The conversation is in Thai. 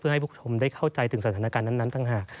ให้ผู้ชมได้เข้าใจถึงสถานการณ์นั้นต่างหาก